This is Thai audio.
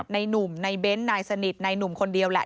ในนุ่มในเบนส์ในนายสนิทในนุ่มคนเดียวแหละ